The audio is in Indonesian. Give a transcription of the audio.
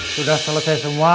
sudah selesai semua